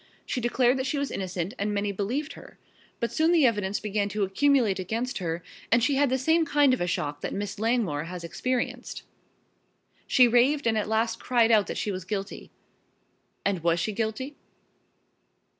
She declared that she was innocent and many believed her. But soon the evidence began to accumulate against her and she had the same kind of a shock that Miss Langmore has experienced. She raved and at last cried out that she was guilty " "And was she guilty?"